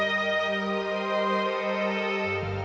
pergi aja dulu